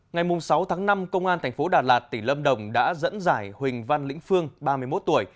ngày sáu tháng năm công an tp đà lạt tỉnh lâm đồng đã dẫn dải huỳnh văn lĩnh phương ba mươi một tuổi